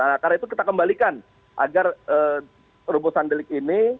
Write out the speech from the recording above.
karena itu kita kembalikan agar rumpusan delik ini